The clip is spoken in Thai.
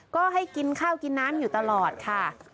ก็ให้กินข้าวกินน้ำอยู่ตลอดค่ะ